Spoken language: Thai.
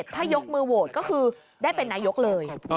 ถ้ายกมือโหวตก็คือได้เป็นนายกเลย